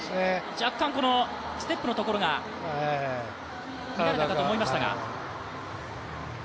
若干ステップのところが乱れたかと思いましたが。